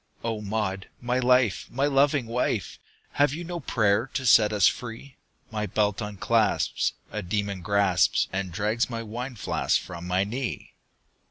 "O Maud, my life! my loving wife! Have you no prayer to set us free? My belt unclasps, a demon grasps And drags my wine flask from my knee!"